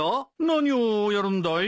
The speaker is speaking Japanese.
何をやるんだい？